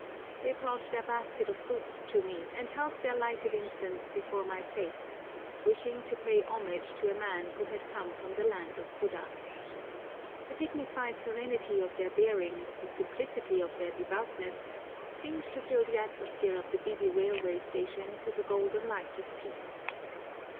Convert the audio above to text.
They brought their basket of fruits to me and held their lighted incense before my face, wishing to pay homage to a man who had come from the land of Buddha. The dignified serenity of their bearing, the simplicity of their devoutness, seemed to fill the atmosphere of the busy railway station with a golden light of peace.